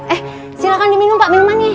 eh silahkan diminum pak minumannya